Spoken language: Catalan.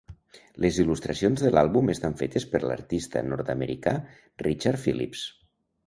Les il·lustracions de l'àlbum estan fetes per l'artista nord-americà Richard Phillips.